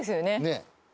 ねえ。